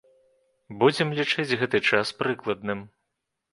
Будзем лічыць гэты час прыкладным.